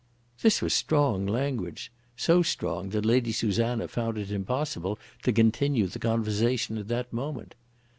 This was strong language, so strong that Lady Susanna found it impossible to continue the conversation at that moment.